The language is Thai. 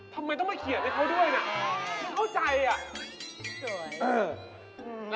ทำไมต้องไม่เขียนขนาดได้เขาด้วย